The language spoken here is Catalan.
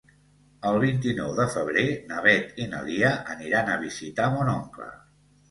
El vint-i-nou de febrer na Beth i na Lia aniran a visitar mon oncle.